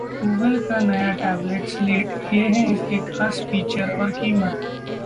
Google का नया tablet Slate, ये हैं इसके खास फीचर्स और कीमत